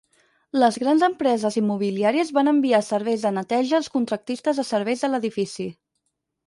Les grans empreses immobiliàries van enviar serveis de neteja als contractistes de serveis de l'edifici.